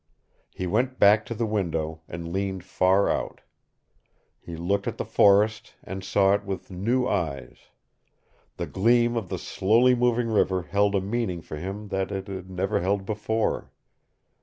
He went back to the window and leaned far out. He looked at the forest and saw it with new eyes. The gleam of the slowly moving river held a meaning for him that it had never held before.